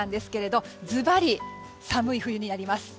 ずばり寒い冬になります。